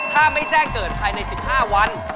ถ้าไม่แจ้งเกิดภายใน๑๕วัน